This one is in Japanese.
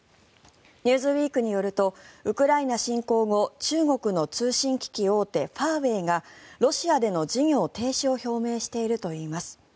「ニューズウィーク」によるとウクライナ侵攻後中国の通信機器大手ファーウェイがロシアでの事業停止を表明しているといいます。